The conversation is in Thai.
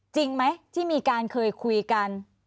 จริงไหมที่มีการเคยคุยกัน